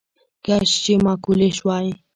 کش چي ما کولې شواې